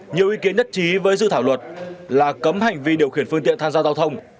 nhiều ý kiến nhất trí với dự thảo luật là cấm hành vi điều khiển phương tiện tham gia giao thông